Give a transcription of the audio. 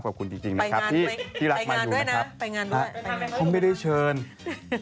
บอกคุณจริงครับที่รักมายูไปงานด้วยนะ